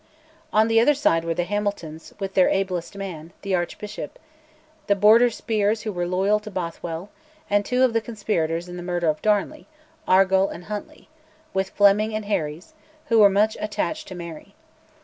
On the other side were the Hamiltons with their ablest man, the Archbishop; the Border spears who were loyal to Bothwell; and two of the conspirators in the murder of Darnley, Argyll and Huntly; with Fleming and Herries, who were much attached to Mary.